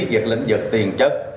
việc lĩnh vực tiền chất